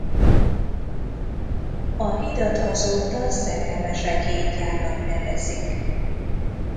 A hidat azóta Szerelmesek hídjának nevezik.